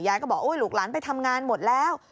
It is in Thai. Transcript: ก็บอกลูกหลานไปทำงานหมดแล้ว